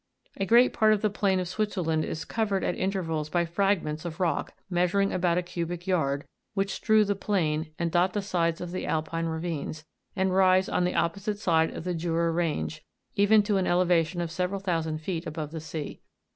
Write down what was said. A great part of the plain of Switzerland is covered at intervals by fragments of rock, measuring about a cubic yard, which strew the plain, and dot the sides of the Alpine ravines, and rise on the opposite side of the Jura range, even to an elevation of several thousand feet above the sea.